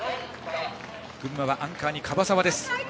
群馬はアンカーに樺沢です。